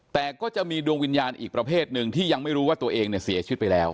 แต่ก็จะมีดวงวิญญาณอีกประเภทหนึ่งที่ยังไม่รู้ว่าตัวเองเนี่ยเสียชีวิตไปแล้ว